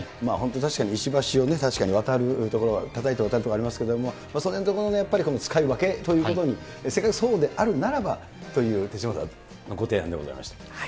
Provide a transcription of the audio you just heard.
確かに石橋を、確かにわたるところは、たたいて渡るところはありますけれども、そのへんのところの使い分けということに、せっかくそうであるならばという手嶋さんのご提案でございました。